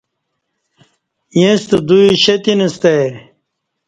ییݩستہ دوئی شیتینستہ آئی۔